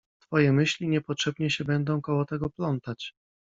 Twoje myśli niepotrzebnie się będą koło tego plątać.